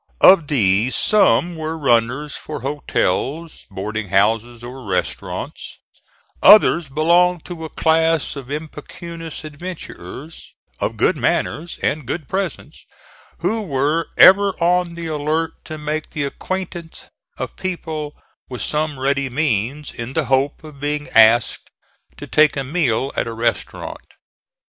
Of these some were runners for hotels, boarding houses or restaurants; others belonged to a class of impecunious adventurers, of good manners and good presence, who were ever on the alert to make the acquaintance of people with some ready means, in the hope of being asked to take a meal at a restaurant.